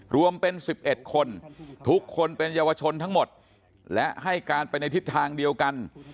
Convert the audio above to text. รวมเป็น๑๑คนทุกคนเป็นเยาวชนทั้งหมดและให้การไปในทิศทางเดียวกัน